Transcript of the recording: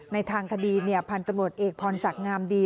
ในทางคดีพันธุ์ตำรวจเอกพรศักดิ์งามดี